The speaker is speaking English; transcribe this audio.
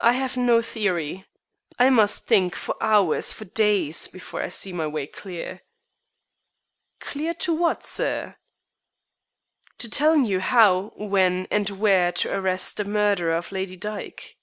"I have no theory. I must think for hours, for days, before I see my way clear." "Clear to what, sir." "To telling you how, when, and where to arrest the murderer of Lady Dyke."